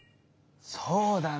そうだな。